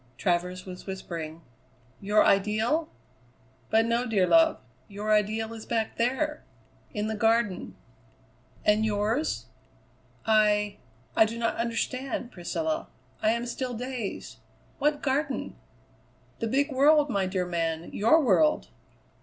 Travers was whispering. "Your ideal? But no, dear love. Your ideal is back there in the Garden." "And yours? I I do not understand, Priscilla. I am still dazed. What Garden?" "The big world, my dear man; your world."